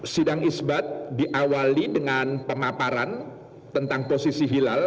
sidang isbat diawali dengan pemaparan tentang posisi hilal